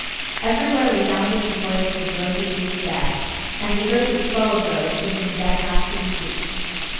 Everywhere resoundeth the voices of those who preach death; and the earth is full of those to whom death hath to be preached.